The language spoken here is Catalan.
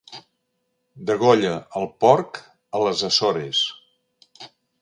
Degolla el porc a les Açores.